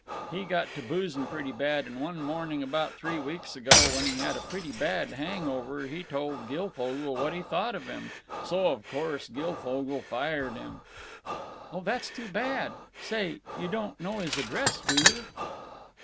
He got to boozing pretty bad, and one morning about three weeks ago, when he had a pretty bad hang over, he told Guilfogle what he thought of him, so of course Guilfogle fired him." "Oh, that's too bad. Say, you don't know his address, do you?"